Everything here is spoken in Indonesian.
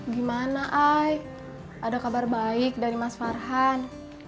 gimana ai ada kabar baik dari mas farhan